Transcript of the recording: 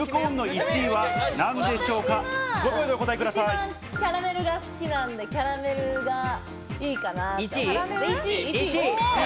一番キャラメルが好きなんで、キャラメルがいいかな。